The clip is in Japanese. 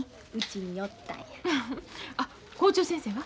あ校長先生は？